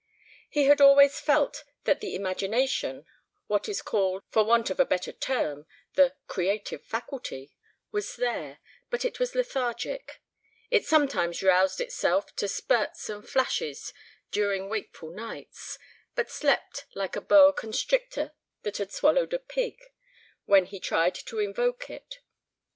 He had always felt that the imagination, what is called, for want of a better term, the "creative faculty," was there, but it was lethargic; it sometimes roused itself to spurts and flashes during wakeful nights, but slept like a boa constrictor that had swallowed a pig when he tried to invoke it.